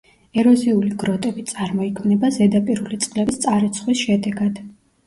ეროზიული გროტები წარმოიქმნება ზედაპირული წყლების წარეცხვის შედეგად.